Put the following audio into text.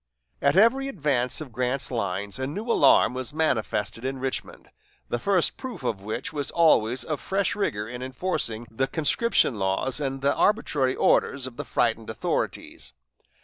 At every advance of Grant's lines a new alarm was manifested in Richmond, the first proof of which was always a fresh rigor in enforcing the conscription laws and the arbitrary orders of the frightened authorities.